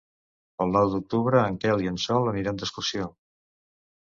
El nou d'octubre en Quel i en Sol aniran d'excursió.